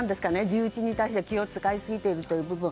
重鎮に対して気を使いすぎているという部分。